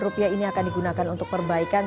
rupiah ini akan digunakan untuk perbaikan